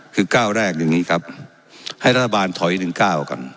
คือก้าวแรกอย่างนี้ครับให้รัฐบาลถอย๑๙กัน